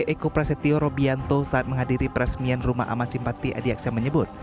eko prasetyo robianto saat menghadiri peresmian rumah aman simpati adi aksa menyebut